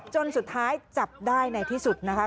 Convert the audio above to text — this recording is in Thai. จนสุดท้ายจับได้ในที่สุดนะคะ